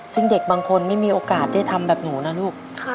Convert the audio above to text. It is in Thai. ซึ่งเด็กบางคนไม่มีโอกาสได้ทำแบบหนูนะลูก